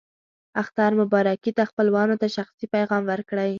اختر مبارکي ته خپلوانو ته شخصي پیغام ورکړئ.